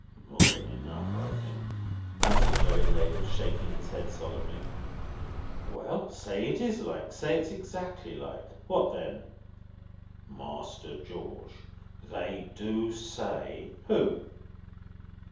"More than enough, I think," muttered Joey Ladle, shaking his head solemnly. "Well, say it is like; say it is exactly like. What then?" "Master George, they do say " "Who?"